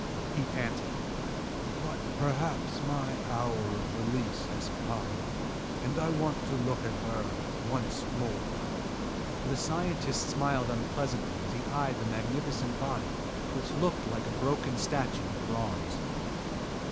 he panted. "But perhaps my hour of release has come, and I want to look at her once more." The scientist smiled unpleasantly as he eyed the magnificent body which looked like a broken statue in bronze.